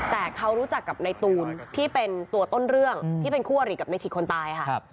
แต่เขารู้จักกับในตูนที่เป็นตัวต้นเรื่องที่เป็นคู่อริกับในถิตคนตายค่ะ